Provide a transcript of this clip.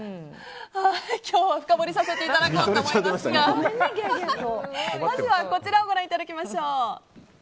今日は深掘りさせていただこうと思いますがまずはこちらをご覧いただきましょう。